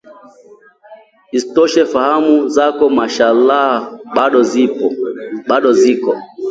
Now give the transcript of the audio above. isitoshe fahamu zako Mashallahu bado ziko